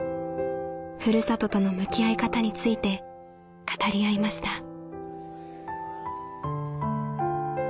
ふるさととの向き合い方について語り合いました。